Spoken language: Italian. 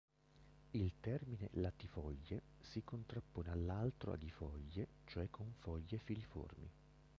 Il termine latifoglie si contrappone all'altro aghifoglie, cioè con foglie filiformi.